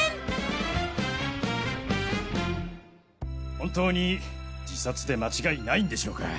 本当に自殺で間違いないんでしょうか？